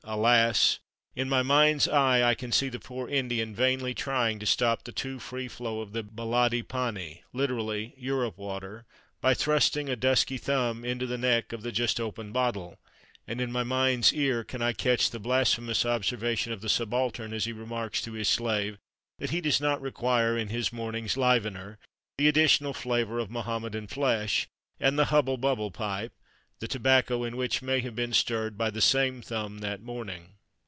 Alas! In my mind's eye I can see the poor Indian vainly trying to stop the too free flow of the Belati pani (literally "Europe water") by thrusting a dusky thumb into the neck of the just opened bottle, and in my mind's ear can I catch the blasphemous observation of the subaltern as he remarks to his slave that he does not require, in his morning's "livener," the additional flavour of Mahommedan flesh, and the "hubble bubble" pipe, the tobacco in which may have been stirred by the same thumb that morning.